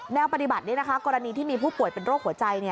ปฏิบัตินี้นะคะกรณีที่มีผู้ป่วยเป็นโรคหัวใจ